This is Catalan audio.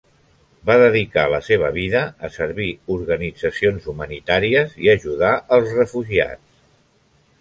Va dedicar la seva vida a servir organitzacions humanitàries i ajudar els refugiats.